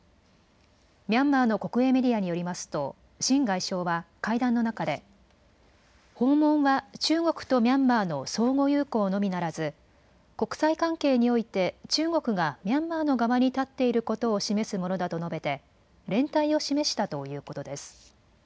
ミャンマーの国営メディアによりますと秦外相は会談の中で訪問は中国とミャンマーの相互友好のみならず国際関係において中国がミャンマーの側に立っていることを示すものだと述べて連帯を示したということです。